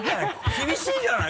厳しいじゃない！